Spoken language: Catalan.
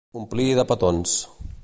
Omplir de petons.